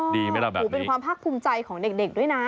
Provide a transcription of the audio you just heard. ดีไหมล่ะแบบโอ้โหเป็นความภาคภูมิใจของเด็กด้วยนะ